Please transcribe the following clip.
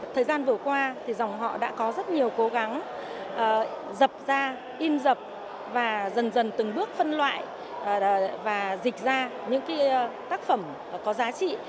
thời gian vừa qua thì dòng họ đã có rất nhiều cố gắng dập ra in dập và dần dần từng bước phân loại và dịch ra những tác phẩm có giá trị